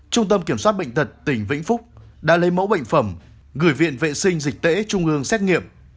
trung tâm kiểm soát bệnh tật tỉnh vĩnh phúc đã lấy mẫu bệnh phẩm gửi viện vệ sinh dịch tễ trung ương xét nghiệm